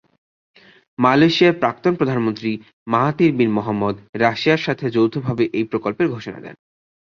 মালয়েশিয়ার প্রাক্তন প্রধানমন্ত্রী মাহাথির বিন মোহাম্মদ রাশিয়ার সাথে যৌথভাবে এই প্রকল্পের ঘোষণা দেন।